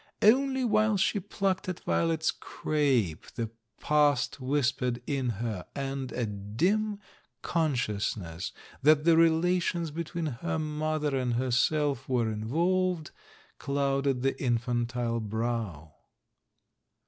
Only while she plucked at Violet's crape, the past whispered in her, and a dim conscious ness that the relations between her mother and herself were involved clouded the infantile brow.